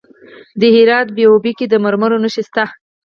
د هرات په اوبې کې د مرمرو نښې شته.